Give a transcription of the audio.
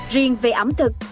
riêng về ẩm thực